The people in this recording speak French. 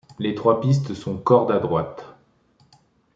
Les trois pistes sont corde à droite.